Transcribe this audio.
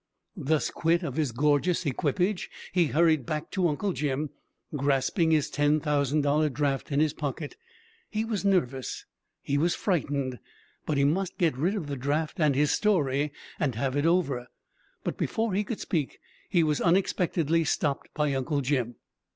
Thus quit of his gorgeous equipage, he hurried back to Uncle Jim, grasping his ten thousand dollar draft in his pocket. He was nervous, he was frightened, but he must get rid of the draft and his story, and have it over. But before he could speak he was unexpectedly stopped by Uncle Jim.